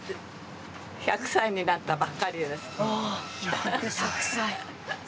１００歳になったばっかりです。